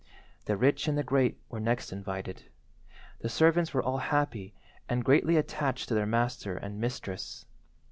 The rich and the great were next invited. The servants were all happy and greatly attached to their master and mistress.